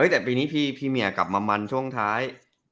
แต่ปีนี้พี่เมียกลับมามันช่วงท้าย